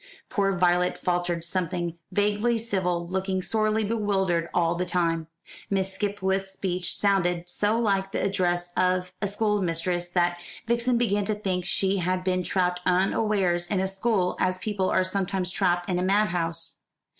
Poor Violet faltered something vaguely civil, looking sorely bewildered all the time. Miss Skipwith's speech sounded so like the address of a schoolmistress that Vixen began to think she had been trapped unawares in a school, as people are sometimes trapped in a madhouse.